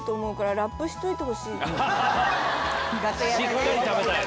しっかり食べたい！